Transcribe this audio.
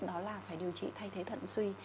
đó là phải điều trị thay thế thận suy